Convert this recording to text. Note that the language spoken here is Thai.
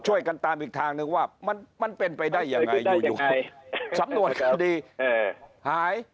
ช่วยกันตามอีกทางนึงว่ามันเป็นไปได้ยังไงอยู่สำนวนคดีหาย